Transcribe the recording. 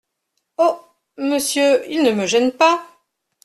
Oh ! monsieur, il ne me gêne pas !